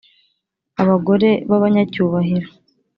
Abagore b abanyacyubahiro